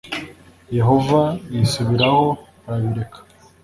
yehova yisubiraho arabireka .